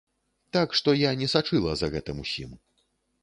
Так што я не сачыла за гэтым усім.